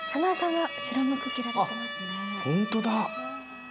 本当だ。